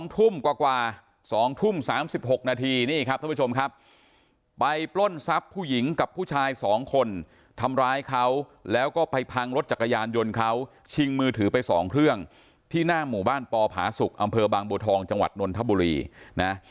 ทุ่มกว่า๒ทุ่ม๓๖นาทีนี่ครับท่านผู้ชมครับไปปล้นทรัพย์ผู้หญิงกับผู้ชาย๒คนทำร้ายเขาแล้วก็ไปพังรถจักรยานยนต์เขาชิงมือถือไป๒เครื่องที่หน้าหมู่บ้านปอผาสุกอำเภอบางบัวทองจังหวัดนนทบุรีนะ